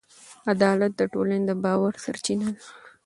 عدالت د ټولنې د باور سرچینه ده.